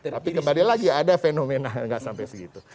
tapi kembali lagi ada fenomena nggak sampai segitu